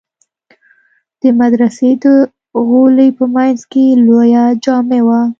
د مدرسې د غولي په منځ کښې لويه جامع وه.